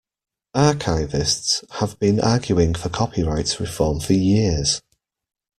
Archivists have been arguing for copyright reform for years.